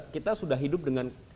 kita sudah hidup dengan